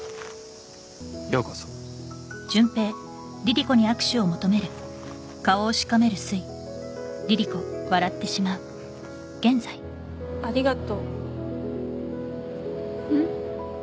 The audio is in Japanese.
ようこそありがとうん？